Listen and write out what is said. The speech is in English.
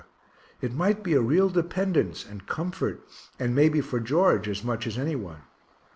it might be a real dependence, and comfort and may be for George as much as any one.